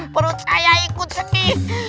perut saya ikut seki